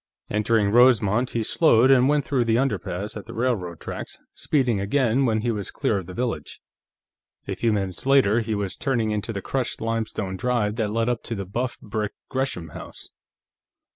Entering Rosemont, he slowed and went through the underpass at the railroad tracks, speeding again when he was clear of the village. A few minutes later, he was turning into the crushed limestone drive that led up to the buff brick Gresham house.